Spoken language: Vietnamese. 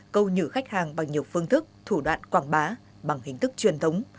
câu nhử khách hàng bằng nhiều phương thức thủ đoạn quảng bá bằng hình thức truyền thống